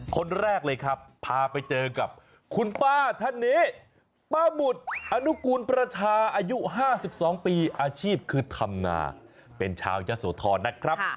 คนแรกเลยครับพาไปเจอกับคุณป้าท่านนี้ป้าหมุดอนุกูลประชาอายุ๕๒ปีอาชีพคือธรรมนาเป็นชาวยะโสธรนะครับ